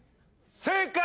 正解！